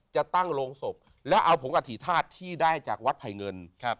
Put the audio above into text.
จะตั้งโรงศพแล้วเอาผงอธิษฐาตุที่ได้จากวัดไผ่เงินครับ